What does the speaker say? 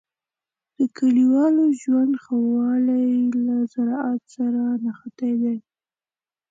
د کلیوالو ژوند ښه والی له زراعت سره نښتی دی.